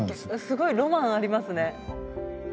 すごいロマンありますね。